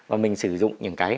và mình sử dụng những cái